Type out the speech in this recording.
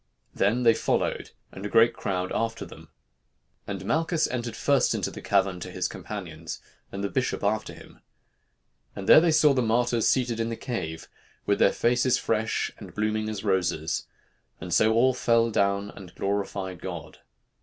Then they followed, and a great crowd after them. And Malchus entered first into the cavern to his companions, and the bishop after him.... And there they saw the martyrs seated in the cave, with their faces fresh and blooming as roses; so all fell down and glorified God.